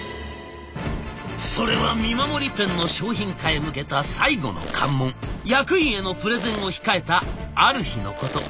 それは見守りペンの商品化へ向けた最後の関門役員へのプレゼンを控えたある日のこと。